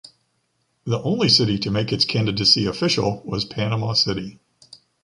The only city to make its candidacy official was Panama City.